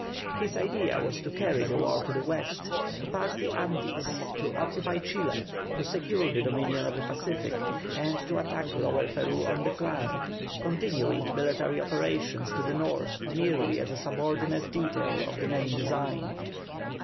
His idea was to carry the war to the West, to pass the Andes, to occupy Chile, to secure the dominion of the Pacific, and to attack Lower Peru on the flank, continuing military operations to the North merely as a subordinate detail of the main design.